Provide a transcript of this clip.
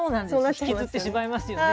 引きずってしまいますよね。